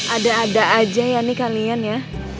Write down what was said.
ada ada aja ya nih kalian ya